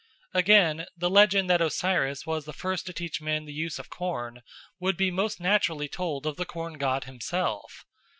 Again, the legend that Osiris was the first to teach men the use of corn would be most naturally told of the corn god himself.